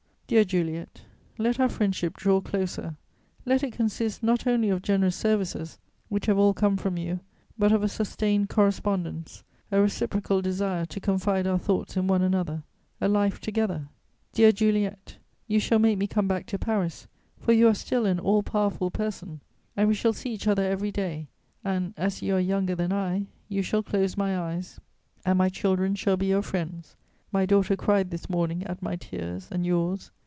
Dear Juliet, let our friendship draw closer; let it consist not only of generous services, which have all come from you, but of a sustained correspondence, a reciprocal desire to confide our thoughts in one another, a life together. Dear Juliet, you shall make me come back to Paris, for you are still an all powerful person, and we shall see each other every day; and, as you are younger than I, you shall close my eyes, and my children shall be your friends. My daughter cried this morning at my tears and yours.